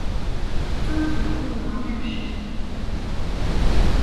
曾祖父王彦实。